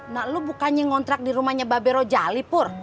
nak lu bukannya ngontrak di rumahnya babero jalipur